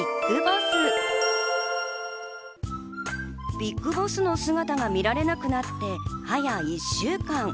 ＢＩＧＢＯＳＳの姿が見られなくなって早１週間。